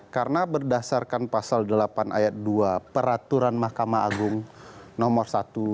karena berdasarkan pasal delapan ayat dua peraturan mahkamah agung nomor satu dua ribu sebelas